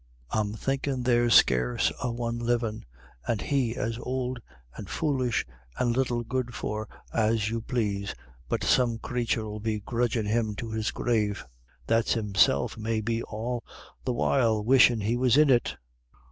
I'm thinkin' there's scarce a one livin', and he as ould and foolish and little good for as you plase, but some crathur'ill be grudgin' him to his grave, that's himself may be all the while wishin' he was in it.